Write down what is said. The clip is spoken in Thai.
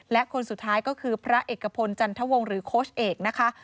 และคนสุดท้ายก็คือพระเอกพลจันทวงศ์หรือโค้ชเอกนะคะ